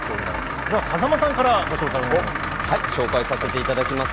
これは風間さんからご紹介お願いします。